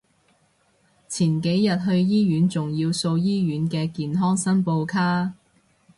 前幾日去醫院仲要掃醫院嘅健康申報卡